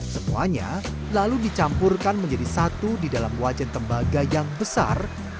semuanya lalu dicampurkan menjadi satu di dalam wajan tembaga yang besar